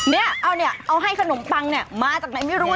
นี่เอาให้ขนมปังเมื่อจากไหนไม่รู้